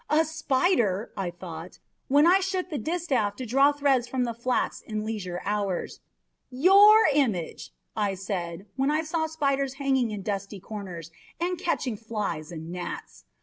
'The spider!' I thought, when I shook the distaff to draw threads from the flax in leisure hours. 'Your image!' I said, when I saw spiders hanging in dusty corners, and catching flies and gnats.